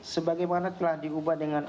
sebagaimana telah diubah dengan